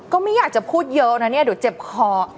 ก็ไม่อยากจะพูดเยอะนะดูเจ็บคอ